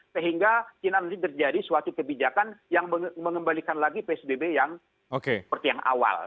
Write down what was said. sehingga tidak terjadi suatu kebijakan yang mengembalikan lagi psbb yang seperti yang awal